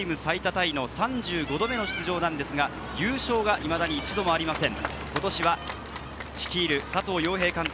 タイの３５度目の出場なんですが、優勝がいまだに一度もありません。